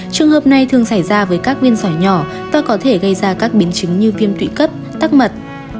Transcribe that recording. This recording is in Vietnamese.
trường hợp này thường xảy ra với các nguyên giỏi nhỏ và có thể gây ra các biến chứng như viêm tụy cấp tắc mật